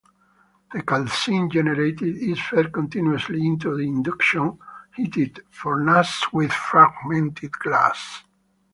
The 'calcine' generated is fed continuously into an induction heated furnace with fragmented glass.